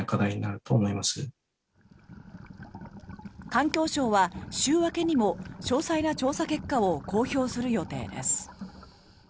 環境省は週明けにも詳細な調査結果を公表する予定です。